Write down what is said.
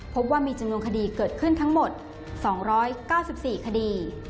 พบว่ามีจำนวนคดีเกิดขึ้นทั้งหมด๒๙๔คดี